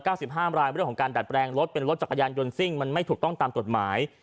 สิบห้ามรายเรื่องของการดัดแปลงรถเป็นรถจักรยานยนต์ซิ่งมันไม่ถูกต้องตามกฎหมาย